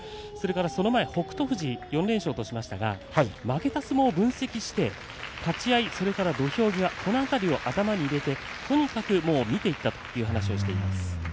その前、北勝富士４連勝としましたが負けた相撲を分析して立ち合い、それから土俵際この辺りを頭に入れてとにかく見ていったという話をしています。